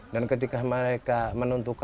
dan ketika mereka menuntutnya